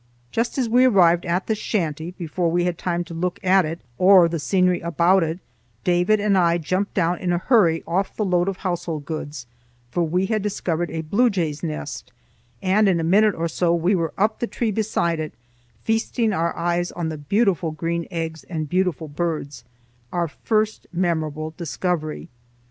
Just as we arrived at the shanty, before we had time to look at it or the scenery about it, David and I jumped down in a hurry off the load of household goods, for we had discovered a blue jay's nest, and in a minute or so we were up the tree beside it, feasting our eyes on the beautiful green eggs and beautiful birds,—our first memorable discovery.